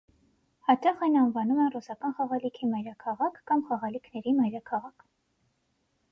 Հաճախ այն անվանում են «ռուսական խաղալիքի մայրաքաղաք» կամ «խաղալիքների մայրաքաղաք»։